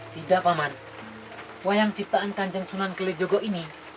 tidak pak man wayang ciptaan kanjeng sunan kelijogo ini